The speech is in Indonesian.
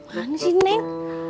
manis sih neng